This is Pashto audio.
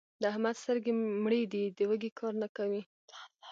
د احمد سترګې مړې دي؛ د وږي کار نه کوي.